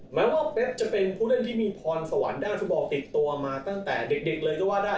แม้ว่าเป๊กจะเป็นผู้เล่นที่มีพรสวรรค์ด้านฟุตบอลติดตัวมาตั้งแต่เด็กเลยก็ว่าได้